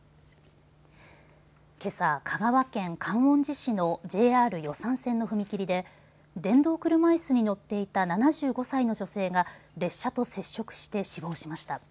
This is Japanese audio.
けさ、香川県観音寺市のＪＲ予讃線の踏切で電動車いすに乗っていた７５歳の女性が列車と接触して死亡しました。